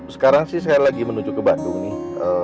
sekarang sih sekali lagi menuju ke bandung nih